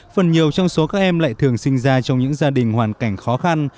phần nhiều trong số các em lại thường sinh ra trong những gia đình hoàn cảnh khó khăn